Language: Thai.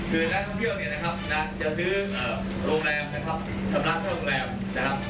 คืนนักท่องเที่ยวจะซื้อโรงแรมชำระโรงแรม